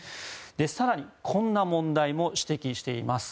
更に、こんな問題も指摘しています。